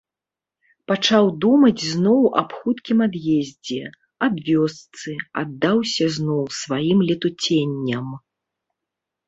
Пачаў думаць зноў аб хуткім ад'ездзе, аб вёсцы, аддаўся зноў сваім летуценням.